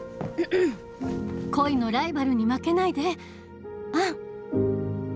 恋のライバルに負けないでアン！